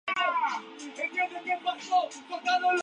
Ambos se encontraron en Gaeta.